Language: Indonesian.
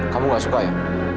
kamu gak suka ya